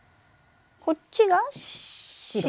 こっちが白？